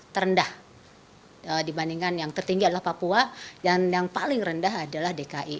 terendah dibandingkan yang tertinggi adalah papua dan yang paling rendah adalah dki